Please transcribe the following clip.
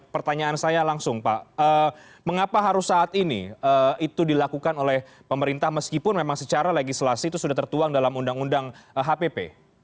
pertanyaan saya langsung pak mengapa harus saat ini itu dilakukan oleh pemerintah meskipun memang secara legislasi itu sudah tertuang dalam undang undang hpp